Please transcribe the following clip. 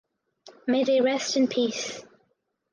May they rest in peace.